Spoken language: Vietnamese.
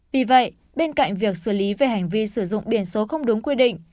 vì vậy bên cạnh việc xử lý về hành vi sử dụng biển số không đúng quy định